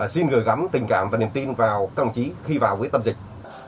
xin gửi gắm tình cảm và niềm tin vào các đồng chí khi vào với tâm dịch